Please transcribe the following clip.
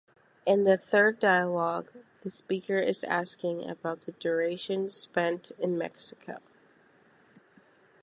In the third dialogue, the speaker is asking about the duration spent in Mexico.